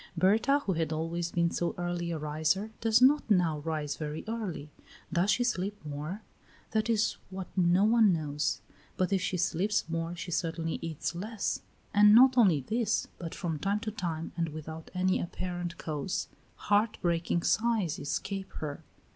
Berta, who had always been so early a riser, does not now rise very early. Does she sleep more? That is what no one knows, but if she sleeps more she certainly eats less; and not only this, but from time to time, and without any apparent cause, heart breaking sighs escape her.